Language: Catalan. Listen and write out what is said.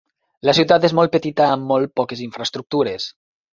La ciutat és molt petita amb molt poques infraestructures.